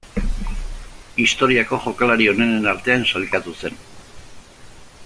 Historiako jokalari onenen artean sailkatu zen.